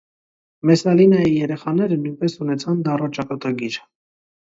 Մեսալինայի երեխաները նույնպես ունեցան դառը ճակատագիր։